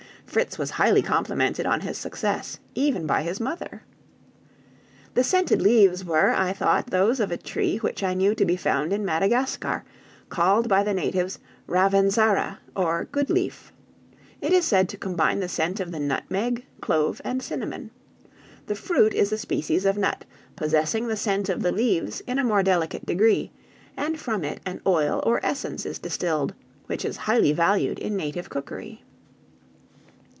Fritz was highly complimented on his success, even by his mother. The scented leaves were, I thought, those of a tree which I knew to be found in Madagascar, called by the natives ravensara, or "good leaf." It is said to combine the scent of the nutmeg, clove, and cinnamon. The fruit is a species of nut, possessing the scent of the leaves in a more delicate degree, and from it an oil or essence is distilled, which is highly valued in native cookery.